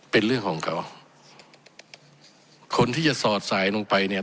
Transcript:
เป็นเรื่องของเขาคนที่จะสอดสายลงไปเนี่ย